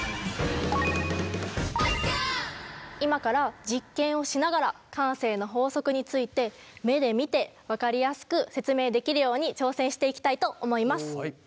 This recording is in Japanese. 今から実験をしながら慣性の法則について目で見て分かりやすく説明できるように挑戦していきたいと思います。